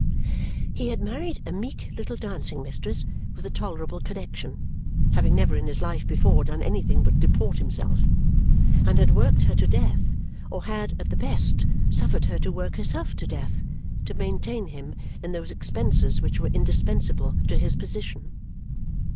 He had married a meek little dancing mistress, with a tolerable connexion (having never in his life before done anything but deport himself), and had worked her to death, or had, at the best, suffered her to work herself to death, to maintain him in those expenses which were indispensable to his position.